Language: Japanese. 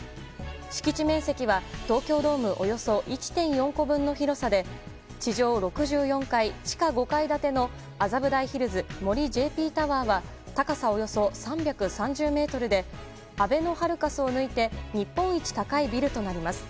敷地面積は東京ドームおよそ１．４個分の広さで地上６４階、地下５階建ての麻布台ヒルズ森ＪＰタワーは高さおよそ３３０ｍであべのハルカスを抜いて日本一高いビルとなります。